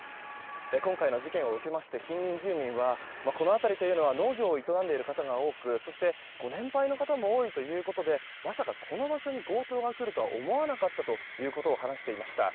今回の事件を受けまして近隣住民は、この辺りというのは農業を営んでいる方が多くそしてご年配の方も多いということでまさか、この場所に強盗が来るとは思わなかったということを話していました。